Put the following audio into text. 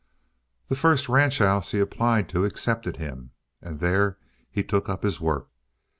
The first ranch house he applied to accepted him. And there he took up his work.